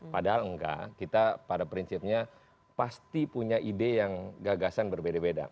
padahal enggak kita pada prinsipnya pasti punya ide yang gagasan berbeda beda